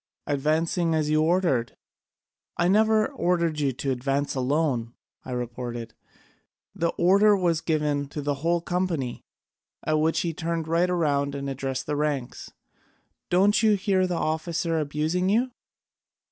'Advancing as you ordered.' 'I never ordered you to advance alone,' I retorted, 'the order was given to the whole company.' At which he turned right round and addressed the ranks: 'Don't you hear the officer abusing you?